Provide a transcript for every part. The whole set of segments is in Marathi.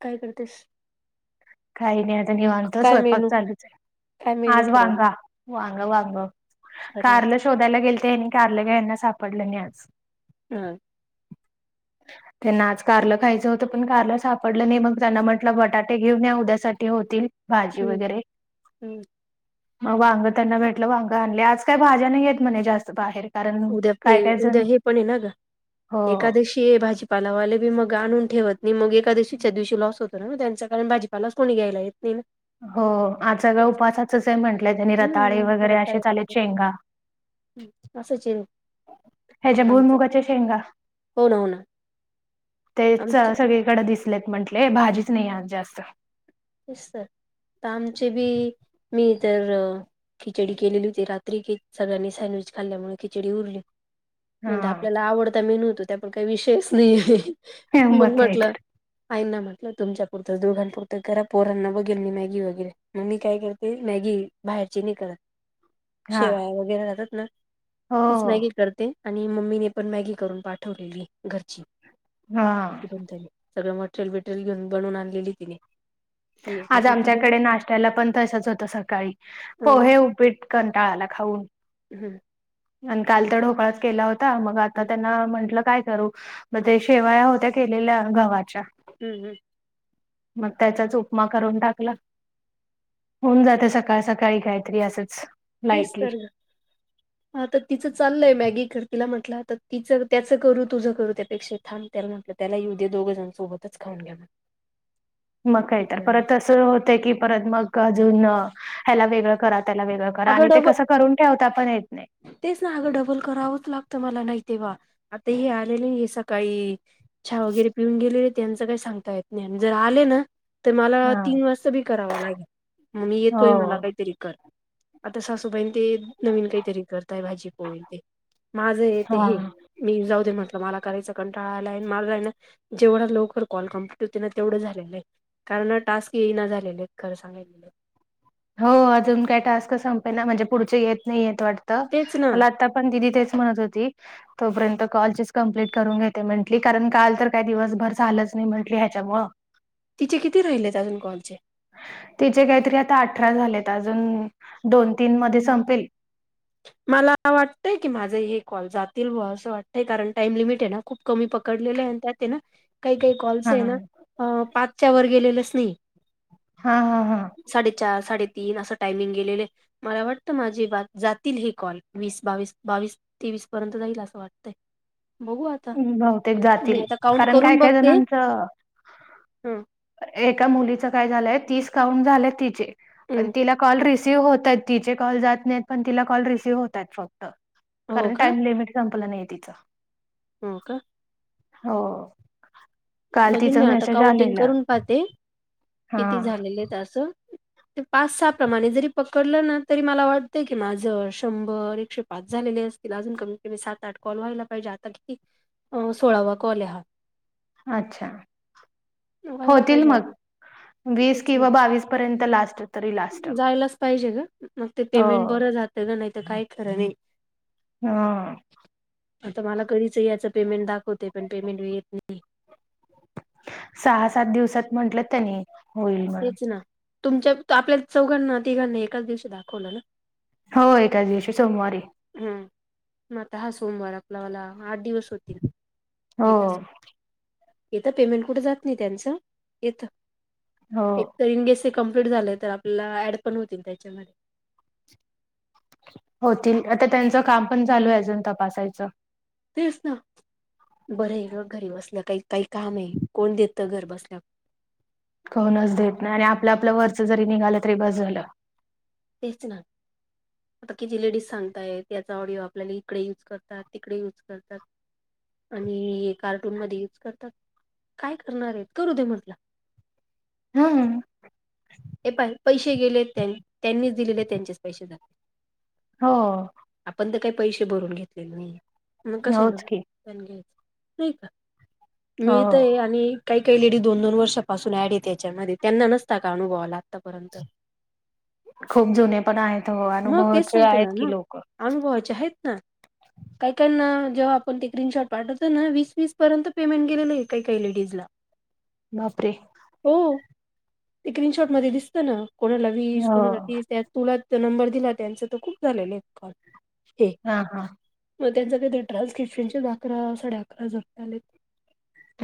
काय करतेस? काही नाही आता निवांत, काय स्वयंपाक मेनू चालूच हाय. काय मेनू आज ठरवला? वांगा, वांग, वांग. अरे वा! कारल शोधायला गेलते आणि कारलं काय यांना सापडलं नाही आज. हा. [unintelligible] त्यांना आज कारलं खायचं होतं, पण कारलं सापडलं नाही, मग त्यांना म्हटलं बटाटे घेऊन या. त्यासाठी होतील भाजी हम्म वगैरे. हम्म मग वांग त्यांना भेटलं वांग आणले आज काही भाज्या नाहीेत म्हणे जास्त बाहेर. कारण उद्या काय काय - जण उद्या हे पण आहे ना ग हो एकादशी. ते भाजीपालावाले बी मग आणून ठेवत नाही मग एका दिवशीच्या दिवशी लॉस होतो ना मग त्यांच्या कारण भाजीपालास कोणी घ्यायला येतं. ने म. हो आज सगळ उपासाचं म्हंटलंय त्यांनी रताळे हम्म वगैरे असे रताळे चाले शेंगा. असं इन. ह्याच्या भूमुगाच्या शेंगा हो ना हो ना तेच आमच्या सगळी - गड दिसलेतं म्हटले भाजीच नाही आ जास्त. तेस तर आमचे बी मी तर - खिचडी केलेली होती रात्री सगळ्यांनी सँडविच खाल्ल्यामुळे खिचडी उरली. म म्हणता हा आपल्याला आवडता मेनू तो त्या पण काही विषयच नाही आहे मग काय म्हटलं. तर आईंना म्हटलं तुमच्यापुरतं दोघांपुरंतं करा. पोरांना बघेल मी मॅगी वगैरे मग मी काय करते मॅगी बाहेरची नाही करत. हा शेवाया वगैरे जातात ना हो तीचं हो मॅगी नाही क करते. आणि मम्मीने पण मॅगी करून पाठवलेली घरची हा ती पण त्यांनी. सगळ मटरेल बिटरेल घेऊनवून आणलेली तिने. ती मग आज तिची डिमांड आमच्याकडे आहे नाश्याला पण तसचं होतं सकाळी ना. पोहे उपीट. कंटाळाला खाऊन. हम्म, आणि काल तर ढोकळाच केला होता मग आता हम्म त्यांना म्हंटलं काय करू? मग ते शेवाया होत्या केलेल्या गव्हाच्या. हम् हम् मग त्याचा चं उपमा - म करून टाकला होऊन जाते सकाळ सकाळी काहीतरी असंच. तीस लाईटली तारख [inaudible] हा तर तिचं चालय मॅगी कर तिला म्हटलं तर तिचं त्याचं करू तुझं करू त्यापेक्षा. थांब त्याला म्हटलं त्याला येऊ दे दोघजण सोबतच खाऊ घ्या. मग ठीक काहीत आहे मग परत तसं होतं की परत मग अजून ह्याला वेगळं करा - त्याला वेगळं करा आणि ते कसं करून ठेवत पण आपण येत नाही. तेचं ना अगं डबल करावंच लागतं मला नाही तेव्हा आता हे आलेले आहे सकाळी - चहा वगैरे पिऊन गेलेले त्यांचं काही सांगता येत नाही आणि जर आले ना - मला हा तीन वाजता बी करावा लागेल मग मी येतोय मला हो काहीतरी कर. आता सासूबाईन ते नवीन काहीतरी करतायं भाजी पोळी. माझं हे हा मी जाऊ दे म्हटलं मला करायचं कंटाळालाय आला मला हे ना - जेवढा लोकर कॉल कम्प्यूट होते ना तेवढं झालेलं हे. कारण टास्क ये ना झालेले खरं सांगयच तर. हो अजून काय टास्क संपेना ना म्हणजे पुढचे येत नाही येत वाटत तेच ना मला आता - पण दिदी तेचं म्हणत होती. तोपर्यंत कॉलचीच कम्प्लीट करून घेते म्हंटली कारण काल तर काही दिवसभर झालंच नाही म्हंटली ह्याच्यामुळं. तिचे किती राहिले अजून कॉल चे? तिचे काहीतरी आता अठरा झालेत अजून दोन तीन मध्ये संपेल. मला वाटतंय की माझा हे कॉल जातील बुवा असं वाटतय कारण टाईम लिमिट आहे ना. खूप कमी पकडलेले आणि त्यात ये ना काही काही कॉल्स हा आहे ना पाचच्या वर गेलेलंच नाही. हा हा हा. साडे चार, साडेतीन असं टायमिंग गेलेलंये मला वाटतं माझी बा जा तील हे कॉल वीस, बावीस, बावीस, तेवीस पर्यंत जाईल असं वाटतय बघू आ हम् बहुतेक जातील कारण काय काय बघते. जणांचं हं एका मुलीच काय झालंय तीस काउंट झालं तिचे पण हं तिला कॉल रिसीव्ह होत आहेत. तिचे कॉल जात नाही पण तिला कॉल रिसीव्ह होतायत फक्त हो कारण का टाईम लिमिट संपल नाही तिचं. हो का? हो, काल तिचा मेसेज आलेला. प ते हा किती झालेलेतं अस. [inaudible] ते पाच सहा प्रमाणे जरी पकडलं ना तरी मला वाटतंय की माझं शंभर, एकशे पाच झालेले अस तिला अजून कमीत कमी सात, आठ कॉल व्हायला पाहिजे आता किती सोळावा कॉलये हा. अच्छा. व्हायला होतील पाहिजे मग अजून. वीस किंवा बावीस पर्यंत लास्ट तरी लास्ट. जायलाच पाहिजे ग मग ते हो पेमेंट बरं जात ग नाहीत काय खर नाही. हा. आता मला कधीचं याचं पेमेंट दाखवते पण पेमेंट येत नाही. सहा, सात दिवसात म्हंटलं त्यांनी. होईल म्हणून तेच ना तुमच्या आपल्या चौघांना, तिघांना एकाच दिवशी दाखवलं ना? हो एकाच दिवशी सोमवारी. हम म आता हा सोमवार आपला मला आठ दिवस होतील हो येतच येत पेमेंट कुठे जात नाही त्यांच येत. हो तर इनगेस कम्प्लीट झालेय तर आपल्याला ऍड पण होतील त्याच्यामध्ये. होतील आता त्यांचं काम पण चालू आहे अजून तपासायचं. तेच ना बरं आहे घरी बसल्या काही काही काम आहे कोण देत घर बसल्या. कोनच देत नाही आणि आपलं आपलं वरच जरी निघालं तरी बस झालं. तेच ना. आता किती लेडीज सांगतायत याचा ऑडिओ आपल्याला इकडे युज करतात तिकडे युज करतात. आणि कार्टून मध्ये यूज करतात, काय करणार आहेत करू दे म्हटलं. हा. हे प पैसे गेले त्यां त्यांनीच दिलेले त्यांचेच पैसे जाते. हो. आपण तर काही पैसे भरून घेतलेले नाही मग कशाला होच ना. की पण घ्यायचं नाही का हो मिळतय आणि काहीकाही लेडी दोन दोन वर्षापासून ऍड आहे त्याच्यामध्ये त्यांना नसता का अनुभवा आला आत्तापर्यंत. खूप जुने पण आहेत हो अनुभवाचे आहेत की लोक. अनुभुवाचे आहेत ना. काही काय ना जेव्हा आपण ते ग्रीनशॉट पाठवतो ना वीस वीस पर्यंत पेमेंट गेलेलं आहे काहीकाही लेडीज ला. बापरे. हो ते स्क्रीनशॉट मध्ये दिसत ना कोणाला वीस हो कोणाला तीस त्यात तुला नंबर दिला त्यांचं तर खूप झालेलं कॉल हे हा हा. मग त्यांं क ट्रान्स्क्रिप्शनच्या अकरा साडे अकरा हजार आलेत.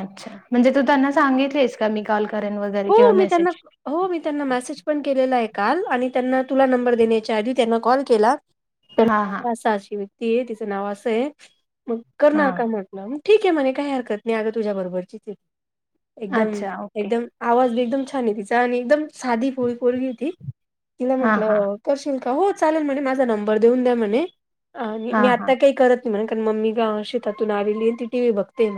अच्छा म्हणजे तू त्यांना सांगितलेस का मी कॉल करेन वगैरे हो किंवा मी त्यांना मेसेज. हो मी त्यांना मेसेज पण केलेला आहे काल आणि त्यांना तुला नंबर देण्याच्या आधी त्यांना कॉल केला. हा हा असा अशी व्यक्ती आहे तिचं नाव असं आहे मग हा करणार का मग. ठीक आहे मणे काही हरकत नाही अगं तुझ्या बरोबरची त एकदम अच्छा ओके एकदम. आवाज बी एकदम छान आहे तिचा आणि एकदम साधी फो फोरगी ती तिला हा हा म्हंटलं. करशील का हो चालेल म्हणे माझा नंबर देऊन द्या म्हणे हा मी हा आता काही करत. ण मम्मी ग अ शेतातून आलेली ती टीव्ही बघते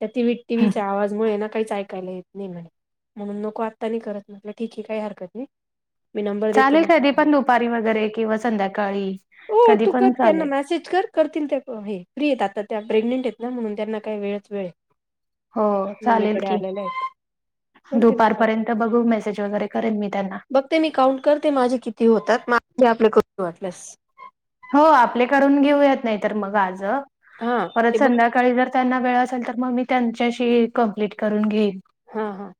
त्या टीव्हीचा आवाज. मुळेना काहीच ऐकायला येत नाही. म्हणून नको आत्ता नाही करत म्हटलं ठीके काही हरकत नाही मी नंबर देते चालेल ना कधी पण दुपारी वगैरे किंवा संध्याकाळी हो कधी तू कर पण त्यांना चालेल मेसेज कर. करतील ते हे फ्री आहेत आता त्या, प्रेग्नेंट आहेत ना म्हणून त्यांना काय वेळच वेळ हे. हो चालेल की, करतील तुला कॉल दुपारपर्यंत बघू मेसेज वगैरे करेन मी त्यांना, ते मी काउंट करते माझे किती होतात मग [unintelligible] वाटल्यास हो आपले करून घेऊयात नाही तर मग आज हा ते परत बघ संध्याकाळी जर त्यांना वेळ असेल तर मग मी त्यांच्याशी कंप्लीट करून घेईन हा हा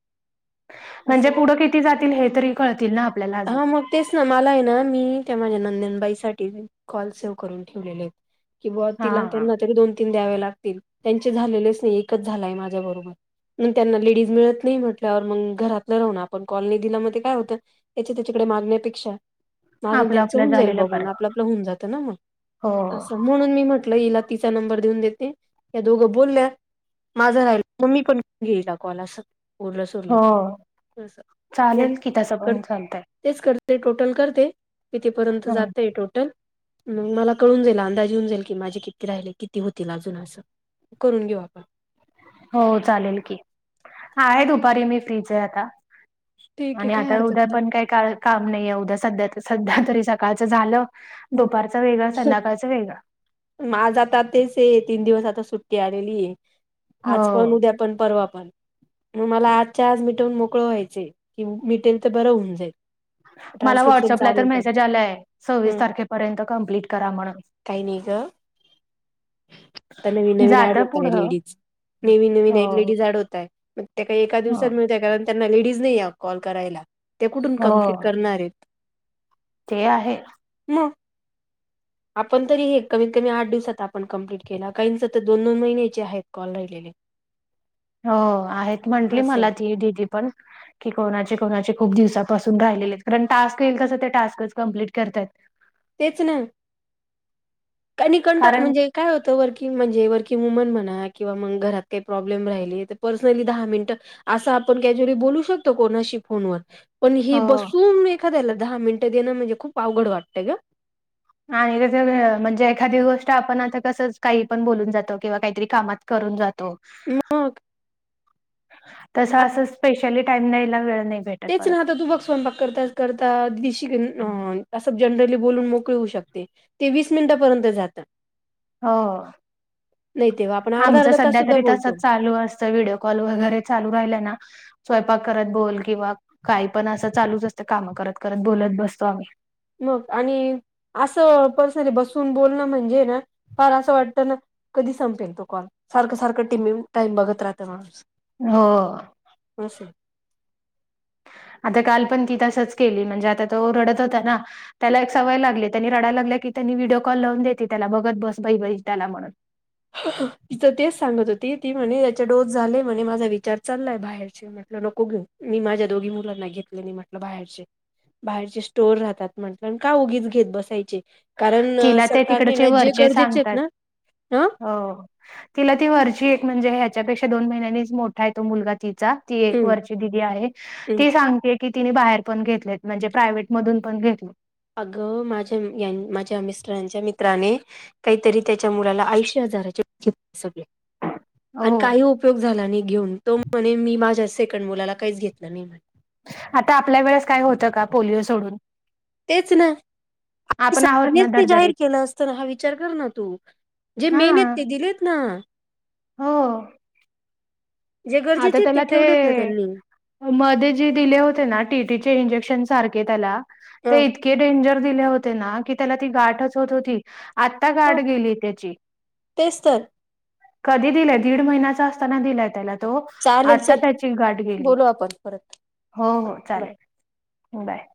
म्हणजे असं पुढं किती जातील हे तरी कळतील ना. आपल्याला अजून हा मग तेच ना मला आहे ना मी त्या माझ्या नंदनबाईसाठी कॉल सेव्ह करून ठेवलेले आहेत. कि बुआ तिला हा त्यांना तरी दोन द्यावे लागतील, त्यांचे झालेलेच नाहीये एकच झालाय माझ्या बरोबर. मग त्यांना लेडीज मिळत नाही म्हटल्यावर मग घरातलं राह ना आपण कॉल नाही दिला मग काय होत याच्या त्याच्याकडे मागण्यापेक्षा माझ न आपलं त्यांच आपलं होऊन जाईल झालेलं बघून बरं आपलंपलं होऊन जातं ना मग हो असं म्हणून मी म्हट ल हिला तिचा नंबर देऊन देते या दोघं बोलल्या माझं राहिल मग मी पण घेईल हा कॉल असं उरलं सुउरलं तर हो अस. चालेल की तसं पण चालतंय. तेच करते टोटल करते कितीपर्यंत हं. जातय टोटल मग मला कळून जाईल अंदाज येऊन जाईल की माझे किती राहिले किती होतील अजून असं करून घेऊ आपण. हो चालेल की, आहे दुपारी मी फ्रीच आहे आता, ठीक आहे आणि काय आता हरकत उद्या पण काही का काम नाहीय उद्या सध्या सध्या तरी सकाळच झालं. दुपारचं वेगळ संध्याकाळचं वेगळा. मग आज आता तेच आहे तीन दिवस आता सुट्टी आलेली आज पण हो. उद्यापण पण परवा पण. मग मला आजच्या आज मिटवून मोकळं व्हायचे की, मिटेल तर बरं होऊन जाईल. मला ट्रान्स्क्रिप्शन व्हॉट्सअपला तर चालेल मेसेज आलाय सव्वीस तारखेपर्यंत कंप्लीट करा म्हणून. काही नाही ग आता नवीन नवीन ऍड जातं होत आहे पुढं. लेडीज. नवीन नवीन हो. एक लेडीज अँड होताय मग त्या एका दिवसात हो. म्हनजे एक त्यांना लेडीज नाही या कॉल करायला ते कुठून कंप्लीट हो. करणार आहेत. ते आहे. म [unintelligible] [inaudible] आपण तरी हे कमीत - कमी, आठ दिवसात आपण कंप्लीट केला. काहींच तर दोन - दोन महिन्याचे हाईत कॉल राहिलेले. हो, आहेत. म्हंटली असे मला ती दिदी पण. की, कोणाचे- कोणाचे खूप दिवसापासून राहिलेलेयत. कारण, टास्क येईल तसं ते, टास्कच कम्प्लीट करतयात. [unintelligible] तेच ना. आणि कंटा, कारण म्हणजे काय होतं. वर्किंग म्हणजे वर्किंग वुमन म्हणा. किंवा मग घरात काही प्रॉब्लेम राहिले तर, पर्सनली दहा मिनटं असं आपण, कॅज्युली बोलू शकतो. कोणाशी फोनवर. पण हे हो. बसून, मी एखाद्याला दहा मिनिटं देणं. म्हणजे खूप अवघड वाटतंय गं. आणि ते सगळं. म्हणजे, एखादी गोष्ट आपण आता कसं, काही पण बोलून जातो. किंवा काहीतरी कामात करून जातो. तो. मग तसं, असं स्पेशली टाईम द्यायला, वेळ नाही भेट तेच, ना. आता तू बघ, स्वयंपाक करता करता. दिशी न अ असं जनरली बोलून, मोकळे होऊ शकते. ते वीस मिनिटापर्यंत जातं. हो. नाही तेव्हा आपण अर्धा आमचं अर्धा तास सध्या सुद्धा तरी तसचं बोलतो चालू अस त. व्हिडिओ कॉल वगैरे, चालू राहिल ना स्वयंपाक करत बोल. किंवा काही पण असं, चालूच असतं. कामं करत- करत बोलत बसतो आम्ही. मग आणि असं, पर्सनली बसून बोलणं म्हणजे ना, फार असं वाटतं ना कधी संपेल तो कॉल. सारखं - सारखं टीम - टाइम बघत राहत माणूस. हो अ. असय. आता काल पण ती तसंच केली. म्हणजे, आता तो रडत होता ना त्याला एक सवय लागली. त्यांनी रडायला लागल्या की, त्यांनी व्हिडिओ कॉल लावून देती त्याला. बघत बस, बाई -बाई त्याला म्हणून. ति तेच सांगत होती. ती म्हणे, त्याचा डोस झालाय म्हणे. माझा विचार चाललाय बाहेरचे म्हटलं नको घेऊ. मी माझ्या दोघी मुलांना घेतले. आणि म्हटलं, बाहेरचे बाहेरचे स्टोर राहतात म्हटलं. न का, उगीच घेत बसायचे? कारण तिला ते सरकारने तिकडचे ना, जे गरजेचेयत ना, आ अ तिला ती वरची एक म्हणजे, ह्याच्यापेक्षा दोन महिन्यांनीच मोठाय. तो मुलगा तिचा. ती एक ह वरची दीदी आहे. ती सांगते की, तिने बाहेर पण घेतलेत. म्हणजे प्रायवेट मधून पण घेतलेत. अगं, माझ्या, यान- माझ्या मिस्टरांच्या मित्राने काहीतरी, त्याच्या मुलाला. ऐंशी हजाराचे [unintelligible] सगळे, हो. अन् काही उपयोग झाला नाही घेऊन. तो म्हणे, मी माझ्या सेकंड मुलाला, काहीच घेतलं नाही म्हने. आता आपल्या वेळेस काय होतं का, पोलिओ सोडून. तेच, ना. [unintelligible] आपण आहोत सरकारनी ना ते जाहीर धडधडीत. केलं, असत ना. हा विचार कर ना तू. जे मेनयत हां. ते दिलेत ना. हो. जे आता गरजेचे आहेत त्याला ते ठेवलेत ना त्यांनी मध्ये जे दिले होते ना, टी टीचे इंजेक्शन सारखे त्याला ह ते इतके डेंजर दिले होते ना. की त्याला, ती गाठच होत होती. आता हो गाट गेलीय त्याची. तेच तर कधी दिलंय? दीड महिन्याचा असताना, दिलाय त्याला तो चालेल आता चल त्याची गाठ गेली. बोलू आपण परत हो, हां, हो, बाय चालेल. बाय.